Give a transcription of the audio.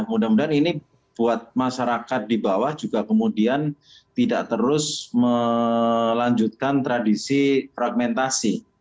mudah mudahan ini buat masyarakat di bawah juga kemudian tidak terus melanjutkan tradisi fragmentasi